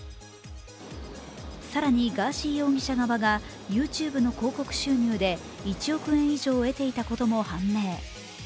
更にガーシー容疑者側がＹｏｕＴｕｂｅの広告収入で１億円以上得ていたことも判明。